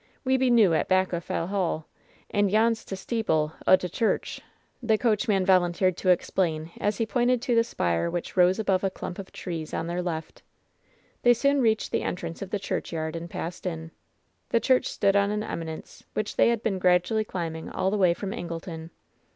"We be noo at back o' Fell Hall. And yon 's t' steeple o' t' church," the coachman volunteered to explain, as he pointed to the spire which rose above a clump of trees on their left. They soon reached the entrance of the churchyard and passed in. The church stood on an eminence, which they had been gradually climbing all the way from Angleton.